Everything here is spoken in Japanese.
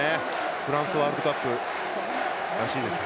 フランスワールドカップらしいです。